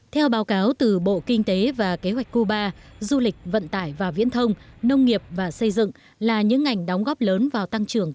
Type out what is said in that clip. theo báo cáo từ bộ kinh tế và kế hoạch cuba du lịch vận tải và viễn thông nông nghiệp và xây dựng là những ngành đóng góp lớn vào tăng trưởng